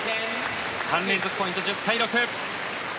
３連続ポイント、１０対６。